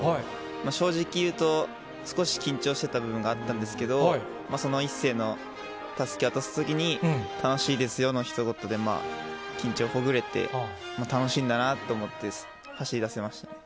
正直言うと、少し緊張してた部分があったんですけど、その一世のたすきを渡すときに、楽しいですよのひと言で緊張ほぐれて、楽しいんだなと思って、走りだせました。